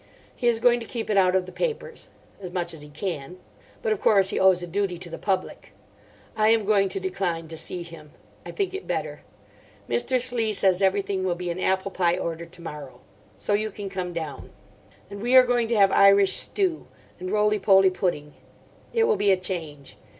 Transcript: He is going to keep it out of the papers. As much as he can. But of course he owes a duty to the public. I am going to decline to see him. I think it better. Mr. Slee says everything will be in apple pie order to morrow. So you can come down. And we are going to have Irish stew. And roly poly pudding. It will be a change.